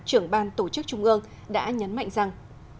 trưởng ban tổ chức trung ương đã nhấn mạnh rằng